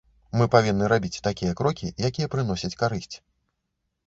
Мы павінны рабіць такія крокі, якія прыносяць карысць.